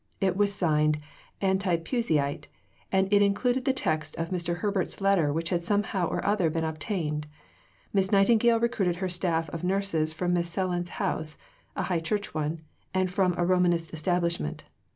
It was signed "Anti Puseyite," and it included the text of Mr. Herbert's letter which had somehow or other been obtained. "Miss Nightingale recruited her staff of nurses from Miss Sellon's house [a High Church one] and from a Romanist establishment."